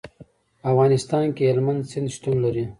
په افغانستان کې هلمند سیند شتون لري.